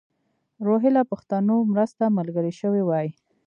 روهیله پښتنو مرسته ملګرې شوې وای.